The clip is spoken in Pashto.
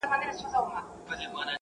وخت نا وخته د خپل حق کوي پوښتنه -